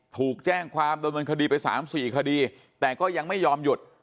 ถูกแจ้งความดำเนินคดีไป๓๔คดีแต่ก็ยังไม่ยอมหยุด